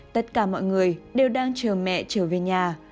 tất cả mọi người đều đang chờ mẹ trở về nhà